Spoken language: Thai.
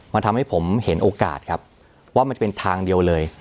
มันทำให้ผมเห็นโอกาสครับว่ามันจะเป็นทางเดียวเลย